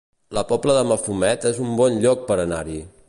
La Pobla de Mafumet es un bon lloc per anar-hi